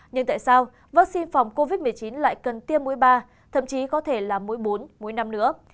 nhưng tại sao vaccine phòng covid một mươi chín lại cần tiêm mũi ba thậm chí có thể là mũi bún mỗi năm nữa